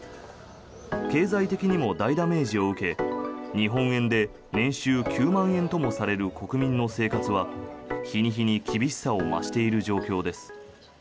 経済的にも大ダメージを受け日本円で年収９万円ともされる国民の生活は、日に日に厳しさを増している状況です。